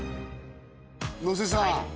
能勢さん